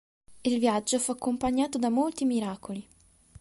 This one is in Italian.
Il viaggio fu accompagnato da molti miracoli.